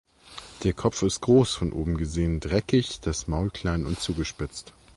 Der Kopf ist groß, von oben gesehen dreieckig, das Maul klein und zugespitzt.